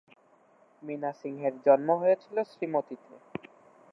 মীনা সিংহের জন্ম হয়েছিল শ্রীমতিতে।